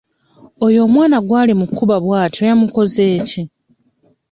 Oyo omwana gw'ali mu kkuba bw'atyo yamukoze ki?